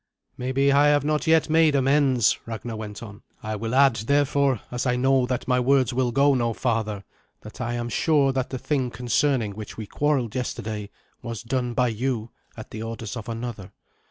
"Maybe I have not yet made amends," Ragnar went on. "I will add, therefore, as I know that my words will go no farther, that I am sure that the thing concerning which we quarrelled yesterday was done by you at the orders of another.